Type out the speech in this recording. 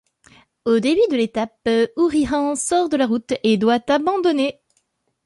En début d'étape, Hourihan sort de la route et doit abandonner.